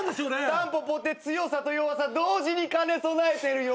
タンポポって強さと弱さ同時に兼ね備えてるよね。